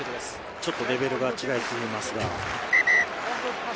ちょっとレベルが違い過ぎますが。